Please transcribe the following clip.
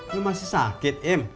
lu masih sakit im